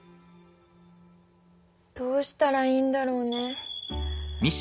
どうしたらいいんだろうね。